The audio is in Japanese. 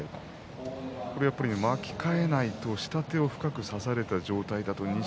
やっぱり巻き替えないと下手を深く差された状態だと錦